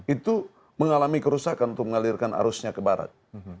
itu mengalami kerusakan untuk mengalirkan arusnya ke barat